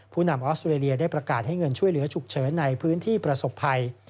นำออสเตรเลียได้ประกาศให้เงินช่วยเหลือฉุกเฉินในพื้นที่ประสบภัย